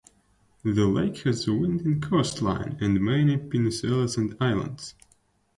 The lake has a winding coastline and many peninsulas and islands.